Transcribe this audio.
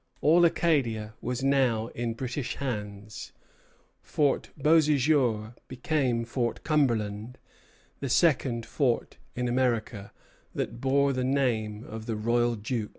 All Acadia was now in British hands. Fort Beauséjour became Fort Cumberland, the second fort in America that bore the name of the royal Duke.